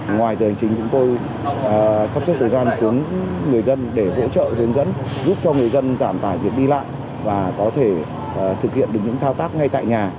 ngoài giờ hành chính chúng tôi sắp xếp thời gian xuống người dân để hỗ trợ hướng dẫn giúp cho người dân giảm tải việc đi lại và có thể thực hiện được những thao tác ngay tại nhà